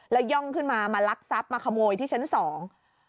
แล้วย่องขึ้นมามาลักทรัพย์มาขโมยที่ชั้นสอง